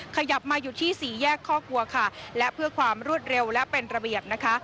ขยับมาอยู่ที่สี่แยกข้อกลัวค่ะและเพื่อความรวดเร็วและเป็นระเบียบนะคะ